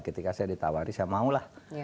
ketika saya ditawari saya maulah